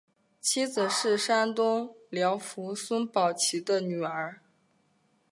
妻子是山东巡抚孙宝琦的女儿。